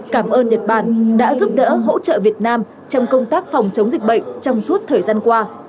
cảm ơn nhật bản đã giúp đỡ hỗ trợ việt nam trong công tác phòng chống dịch bệnh trong suốt thời gian qua